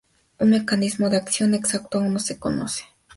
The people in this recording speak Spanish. Su mecanismo de acción exacto aún no se conoce.